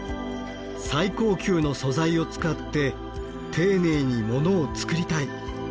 最高級の素材を使って丁寧にモノを作りたい。